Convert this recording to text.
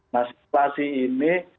nah simulasi ini